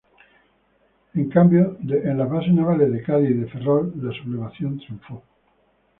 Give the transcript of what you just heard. En cambio en las bases navales de Cádiz y de Ferrol la sublevación triunfó.